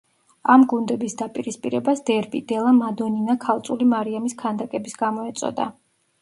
ამ გუნდების დაპირისპირებას დერბი „დელა მადონინა“ ქალწული მარიამის ქანდაკების გამო ეწოდა.